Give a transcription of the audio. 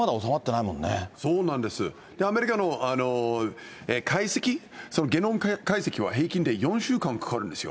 アメリカの解析、そのゲノム解析は、平均で４週間かかるんですよ。